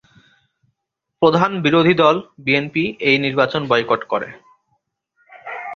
প্রধান বিরোধী দল বিএনপি এই নির্বাচন বয়কট করে।